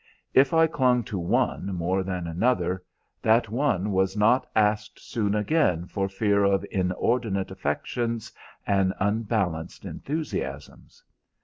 If I clung to one more than another, that one was not asked soon again for fear of inordinate affections and unbalanced enthusiasms.